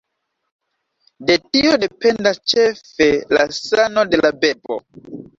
De tio dependas ĉefe la sano de la bebo.